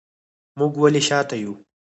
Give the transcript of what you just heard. موږ ولې شاته یو